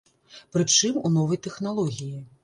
Прычым у новай тэхналогіі.